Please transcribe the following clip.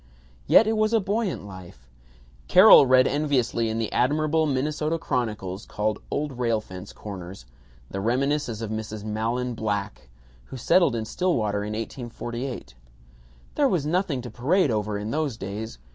Yet it was a buoyant life. Carol read enviously in the admirable Minnesota chronicles called "Old Rail Fence Corners" the reminiscence of Mrs. Mahlon Black, who settled in Stillwater in 1848: "There was nothing to parade over in those days.